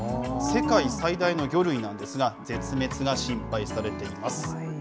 世界最大の魚類なんですが、絶滅が心配されています。